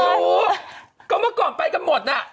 เพราะเมื่อก่อนไปกันหมดนี้